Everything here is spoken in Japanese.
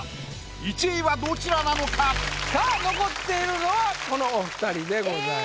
１位はどちらなのか⁉さあ残っているのはこのお二人でございます。